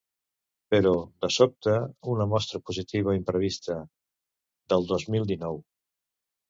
Però, de sobte, una mostra positiva imprevista… del dos mil dinou.